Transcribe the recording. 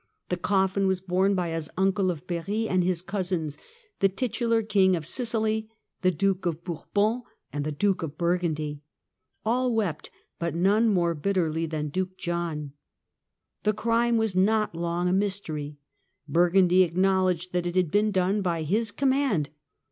The coffin was borne by his uncle of Berry and his cousins, the titular King of Sicily, the Duke of Bourbon and the Duke of Burgundy. All wept, but none more bitterly than Duke John. The crime was not long a mystery ; Burgundy acknowledged that it had been done by his command.